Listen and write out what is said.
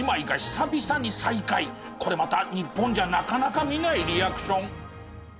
これまた日本じゃなかなか見ないリアクション。